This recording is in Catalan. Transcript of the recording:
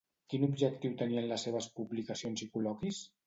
Quin objectiu tenien les seves publicacions i col·loquis?